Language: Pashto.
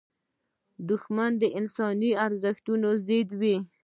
دښمن د انساني ارزښتونو ضد وي